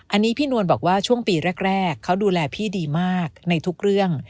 อันนี้พี่นวลบอกว่าช่วงปีแรกเขาดูแลพี่ดีมากในทุกเรื่อง